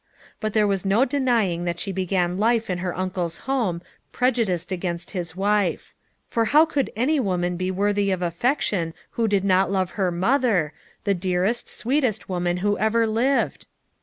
But there was no denying that she began life in her uncle's home prejudiced against his wife; for how could any woman be worthy of affection who did not love her mother, the dearest, sweetest woman who ever lived?